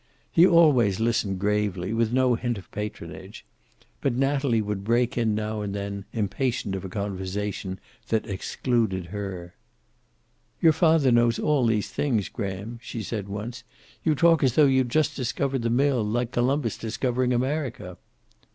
He always listened gravely, with no hint of patronage. But Natalie would break in now and then, impatient of a conversation that excluded her. "Your father knows all these things, Graham," she said once. "You talk as though you'd just discovered the mill, like Columbus discovering America."